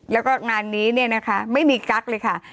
แล้วก็งานนี้เนี่ยนะคะไม่มีกั๊กเลยค่ะ